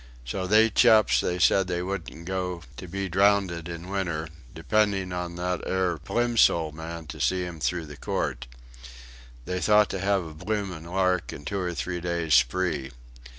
So they chaps they said they wouldn't go to be drownded in winter depending upon that 'ere Plimsoll man to see 'em through the court. They thought to have a bloomin' lark and two or three days' spree.